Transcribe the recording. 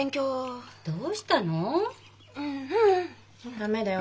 駄目だよ